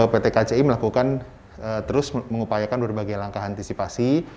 pt kci melakukan terus mengupayakan berbagai langkah antisipasi